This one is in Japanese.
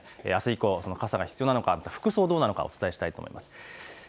あす以降、傘が必要なのか服装はどうなのかお伝えしていきます。